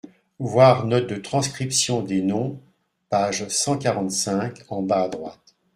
Voir note de transcription des noms page cent quarante-cinq en bas à droite.